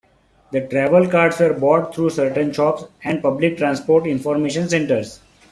The travel cards were bought through certain shops and Public Transport Information Centres.